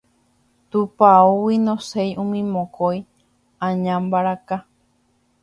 Tupãógui noséi umi mokõi añambaraka.